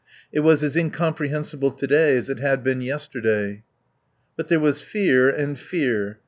It was as incomprehensible to day as it had been yesterday. But there was fear and fear.